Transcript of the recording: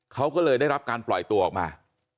เขาก็เลยได้รับการปล่อยตัวออกมา